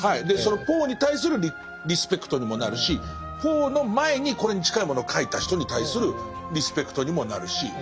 でそのポーに対するリスペクトにもなるしポーの前にこれに近いものを書いた人に対するリスペクトにもなるし。